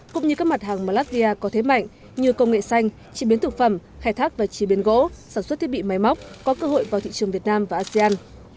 cũng như các mặt hàng mà latvia có thế mạnh như công nghệ xanh chế biến thực phẩm khai thác và chế biến gỗ sản xuất thiết bị máy móc có cơ hội vào thị trường việt nam và asean